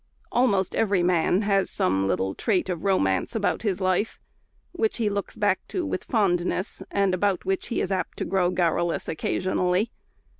Almost every man has some little trait of romance in his life, which he looks back to with fondness, and about which he is apt to grow garrulous occasionally.